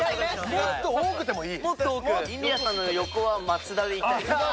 もっと多くてもいい。